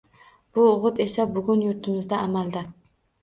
Bu o‘git esa bugun yurtimizda amalda.